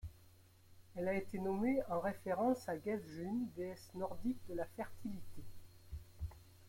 Elle a été nommée en référence à Gefjun, déesse nordique de la fertilité.